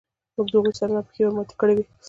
موږ د هغوی سرونه او پښې ورماتې کړې وې